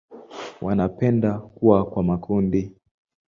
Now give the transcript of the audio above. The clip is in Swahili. Wanapenda kuwa kwa makundi.